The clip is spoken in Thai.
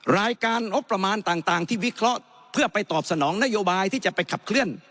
รายการงบประมาณต่างที่วิเคราะห์เพื่อไปตอบสนองนโยบายที่จะไปขับเคลื่อน